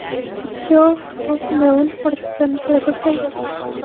Ikkyū is also known for its Zen calligraphy.